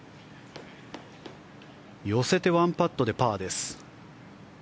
寄せて１パットでパーです。